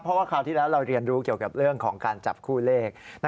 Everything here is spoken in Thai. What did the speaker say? เพราะว่าคราวที่แล้วเราเรียนรู้เกี่ยวกับเรื่องของการจับคู่เลข